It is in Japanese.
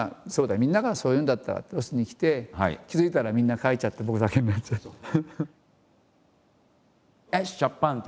そうだみんながそう言うんだったらってロスに来て気付いたらみんな帰っちゃって僕だけになっちゃった。